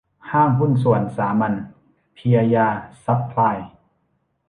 ห้างหุ้นส่วนสามัญ เพียยาซัพพลาย